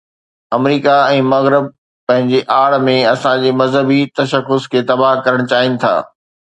آمريڪا ۽ مغرب پنهنجي آڙ ۾ اسان جي مذهبي تشخص کي تباهه ڪرڻ چاهين ٿا.